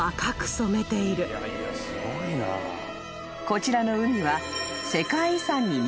［こちらの海は］